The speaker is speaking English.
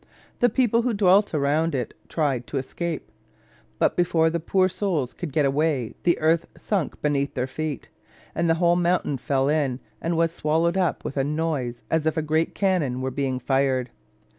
The people who dwelt around it tried to escape; but before the poor souls could get away the earth sunk beneath their feet, and the whole mountain fell in and was swallowed up with a noise as if great cannon were being fired.